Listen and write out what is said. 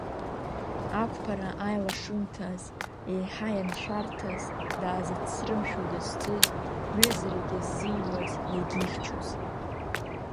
Ақәԥара аилашымҭаз, еиҳа ианшәарҭаз даазыцрымшәо дызцыз, ҩызарагьы ззиуаз, иагьихьчоз.